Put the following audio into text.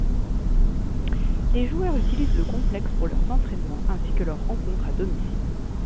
Les joueurs utilisent le complexe pour leurs entraînements ainsi que leurs rencontres à domicile.